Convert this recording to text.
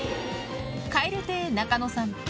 蛙亭・中野さん。